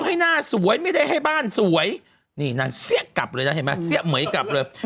ให้หน้าสวยไม่ได้ให้บ้านสวยนี่นางเสี้ยกลับเลยนะเห็นไหมเสี้ยเหมือยกลับเลย